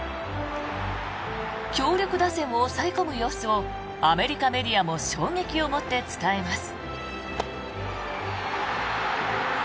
強力打線を抑え込む様子をアメリカメディアも衝撃を持って伝えます。